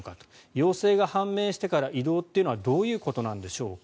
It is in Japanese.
陽性が判明してから移動というのはどういうことなんでしょうか。